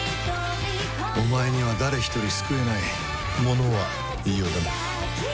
「お前には誰一人救えない」「物は言いようだね」